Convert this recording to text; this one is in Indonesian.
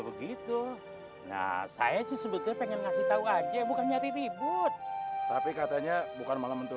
wb itu nah saya sih sebenarnya ngasih tahu aja bukan nyari ribut tapi katanya bukan malam itu